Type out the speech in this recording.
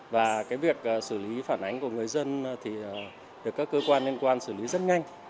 và cái việc xử lý phản ánh của người dân thì được các cơ quan liên quan xử lý rất nhanh